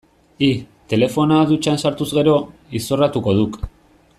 Hi, telefonoa dutxan sartuz gero, izorratuko duk.